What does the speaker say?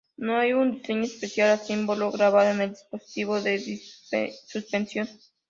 No hay un diseño especial o símbolo grabado en el dispositivo de suspensión.